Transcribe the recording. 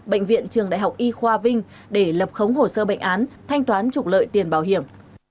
bệnh viện trường đại học y khoa vinh để lập khống hồ sơ bệnh án thanh toán trục lợi tiền bảo hiểm